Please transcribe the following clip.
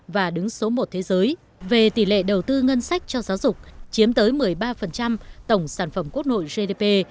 và đứng số một thế giới về tỷ lệ đầu tư ngân sách cho giáo dục chiếm tới một mươi ba tổng sản phẩm quốc nội gdp